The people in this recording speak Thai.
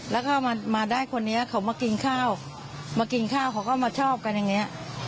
แล้วก็มาได้คนนี้เขามากินข้าวมากินข้าวเขาก็มาชอบกันอย่างนี้